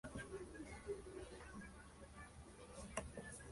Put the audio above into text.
Está disponible en la página "web" de su productora, Napalm Records.